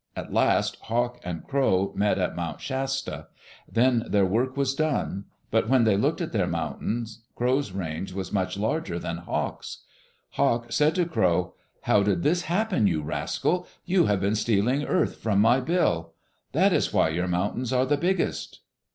At last Hawk and Crow met at Mount Shasta. Then their work was done. But when they looked at their mountains, Crow's range was much larger than Hawk's. Hawk said to Crow, "How did this happen, you rascal? You have been stealing earth from my bill. That is why your mountains are the biggest."